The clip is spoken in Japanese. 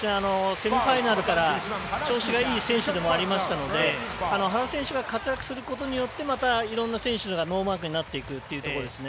セミファイナルから調子のいい選手でもありますので原選手が活躍することによってまた、いろんな選手がノーマークになっていくというところですね。